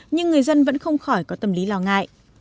nhưng người dân vẫn không khỏi có tâm lý lo ngại